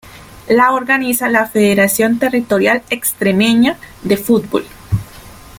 La organiza la Federación Territorial Extremeña de Fútbol.